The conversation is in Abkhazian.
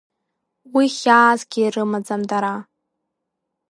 Уи хьаасгьы ирымаӡам дара…